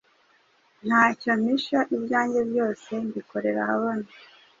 Nta cyo mpisha ibyange byose mbikorera ahabona.